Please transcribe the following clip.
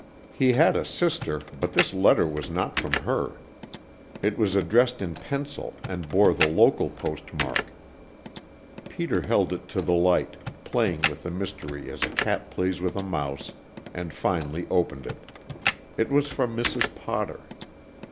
He had a sister, but this letter was not from her. It was addressed in pencil and bore the local postmark. Peter held it to the light, playing with the mystery as a cat plays with a mouse, and finally opened it. It was from Mrs. Potter.